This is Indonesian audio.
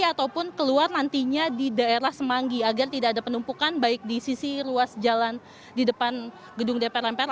ataupun keluar nantinya di daerah semanggi agar tidak ada penumpukan baik di sisi ruas jalan di depan gedung dpr mpr